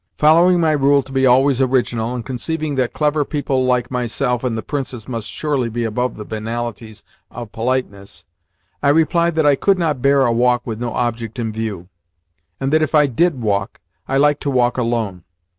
Following my rule to be always original, and conceiving that clever people like myself and the Princess must surely be above the banalities of politeness, I replied that I could not bear a walk with no object in view, and that, if I DID walk, I liked to walk alone.